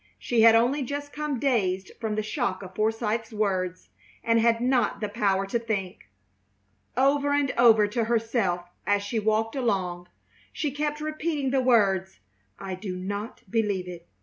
She had only just come dazed from the shock of Forsythe's words, and had not the power to think. Over and over to herself, as she walked along, she kept repeating the words: "I do not believe it!